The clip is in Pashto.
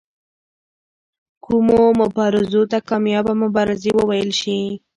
کومو مبارزو ته کامیابه مبارزې وویل شي.